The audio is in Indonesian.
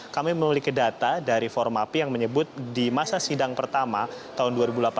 kami memiliki data dari forum api yang menyebut di masa sidang pertama tahun dua ribu delapan belas dua ribu sembilan belas